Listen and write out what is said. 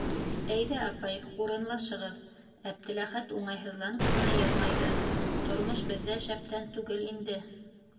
Әйҙә, апай, урынлашығыҙ, - Әптеләхәт уңайһыҙланып ҡына йылмайҙы, - тормош беҙҙә шәптән түгел инде...